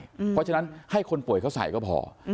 เพราะฉะนั้นให้คนป่วยเขาใส่ก็พอ